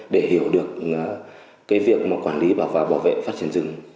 để hiểu được việc quản lý bảo vệ và phát triển rừng